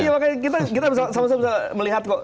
iya makanya kita sama sama bisa melihat kok